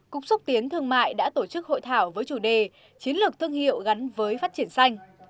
cục xúc tiến thương mại đã tổ chức hội thảo với chủ đề chiến lược thương hiệu gắn với phát triển xanh